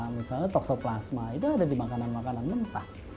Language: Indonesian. misalnya toksoplasma itu ada di makanan makanan mentah